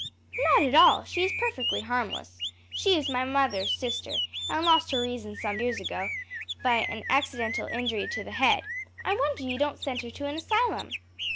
"Not at all; she is perfectly harmless. She is my mother's sister, and lost her reason some years ago, by an accidental injury to the head." "I wonder you don't send her to an asylum."